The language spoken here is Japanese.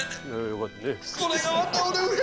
よかった。